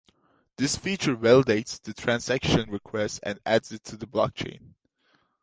This feature validates the transaction request and adds it to the blockchain.